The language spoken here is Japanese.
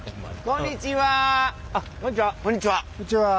こんにちは。